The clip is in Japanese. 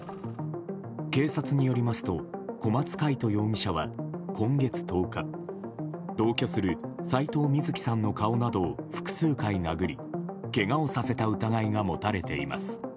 警察によりますと小松魁人容疑者は今月１０日同居する斎藤瑞希さんの顔などを複数回殴り、けがをさせた疑いが持たれています。